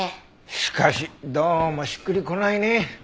しかしどうもしっくりこないね。